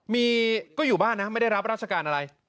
มีก็อยู่บ้านนะไม่ได้รับราชการอะไร